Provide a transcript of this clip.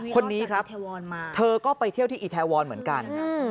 คนนี้ครับเธอก็ไปเที่ยวที่อีแทวรเหมือนกัน